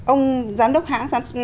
ông giám đốc hã